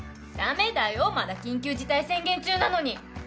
駄目だよまだ緊急事態宣言中なのに。